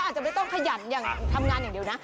อาจจะไม่ต้องขยันอย่างทำงานอย่างเดียวนะ